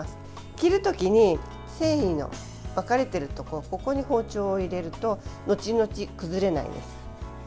切る時に繊維の分かれているところここに包丁を入れるとのちのち崩れないです。